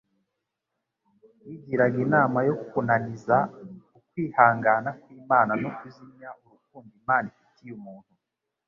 Yigiraga inama yo kunaniza ukwihangana kw'Imana no kuzimya urukundo Imana ifitiye umuntu